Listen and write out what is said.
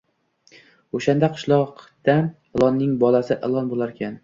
O‘shanda qishloqda ilonning bolasi ilon bo‘larkan